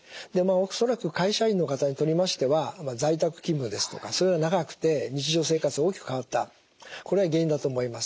恐らく会社員の方にとりましては在宅勤務ですとかそういうのが長くて日常生活が大きく変わったこれが原因だと思います。